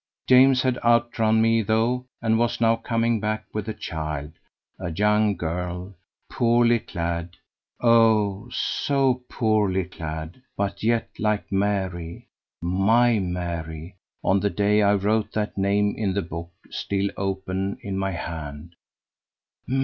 James had outrun me though, and was now coming back with a child a young girl poorly clad; oh! so poorly clad; but yet like Mary my Mary on the day I wrote that name in the book still open in my hand.